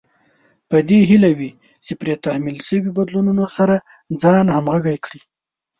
په دې هيله وي چې پرې تحمیل شوي بدلون سره ځان همغږی کړي.